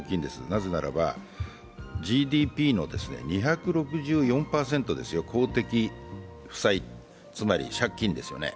なぜならば、ＧＤＰの２６４％ですよ、公的負債、つまり公的な借金。